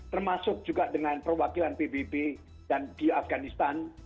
termasuk juga dengan perwakilan pbb di afghanistan